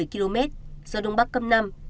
một mươi km gió đông bắc cấp năm